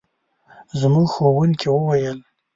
زموږ ښوونکي وویل.